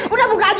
udah buka aja